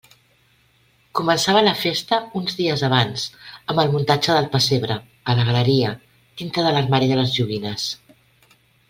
Començava la festa uns dies abans amb el muntatge del pessebre, a la galeria, dintre l'armari de les joguines.